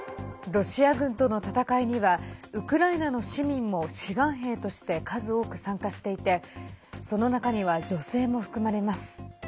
ロシア軍との戦いにはウクライナの市民も志願兵として数多く参加していてその中には女性も含まれます。